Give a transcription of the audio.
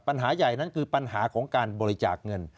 ปัญหาใหญ่นั้นคือปัญหาของการบริจาคเงิน